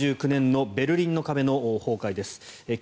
１９８９年のベルリンの壁の崩壊です。